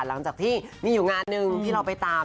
หลังจากที่มีอยู่งานหนึ่งที่เราไปตาม